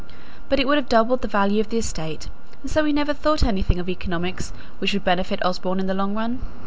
But it would have doubled the value of the estate, and so we never thought anything of economies which would benefit Osborne in the long run.